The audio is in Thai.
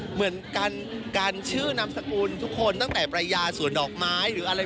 เหมือนกันกันชื่อนามสกุลทุกคนตั้งแต่ประยาส่วนดอกไม้หรืออะไร